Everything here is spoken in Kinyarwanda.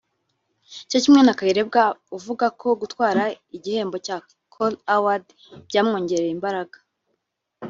cyo kimwe na Kayirebwa uvuga ko gutwara igihembo cya Kora Award byamwongerera imbaraga